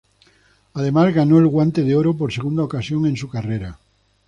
Además, ganó el Guante de Oro por segunda ocasión en su carrera.